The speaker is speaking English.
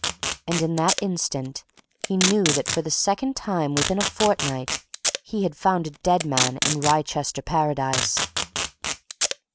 And in that instant he knew that for the second time within a fortnight he had found a dead man in Wrychester Paradise.